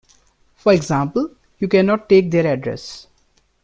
For example, you cannot take their address.